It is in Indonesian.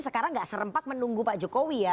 sekarang nggak serempak menunggu pak jokowi ya